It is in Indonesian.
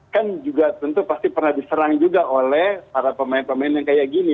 kan juga tentu pasti pernah diserang juga oleh para pemain pemain yang kayak gini